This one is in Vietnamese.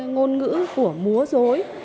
ngôn ngữ của mua dối